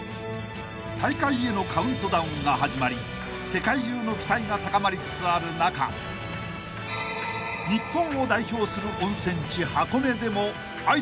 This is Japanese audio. ［大会へのカウントダウンが始まり世界中の期待が高まりつつある中日本を代表する温泉地箱根でも］